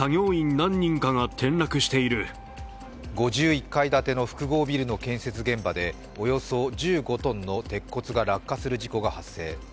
５１階建ての複合ビルの建設現場でおよそ１５ｔの鉄骨が落下する事故が発生。